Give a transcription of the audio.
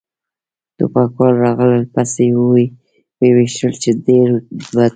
ټوپکوال راغلل پسې و يې ویشتل، چې ډېر بد و.